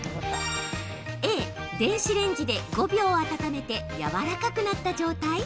Ａ・電子レンジで５秒温めてやわらかくなった状態？